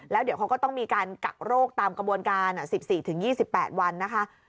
แล้วเดี๋ยวเขาก็ต้องมีการกักโรคตามกระบวนการ๑๔๒๘วันนะคะ